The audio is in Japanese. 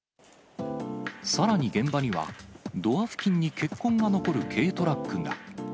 さらに現場には、ドア付近に血痕が残る軽トラックが。